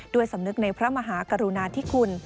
ด้วยสำนึกในพระมหากรุณาที่คุณ